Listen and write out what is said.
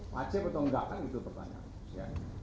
wajib atau nggak kan itu pertanyaannya